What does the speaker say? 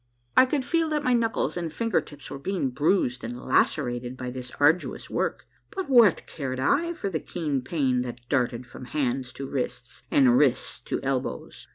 I could feel that my knuckles and finger tips were being bruised and lacerated by this arduous work, but what cared I for the keen pain that darted from hands to wrists, and wrists to elbows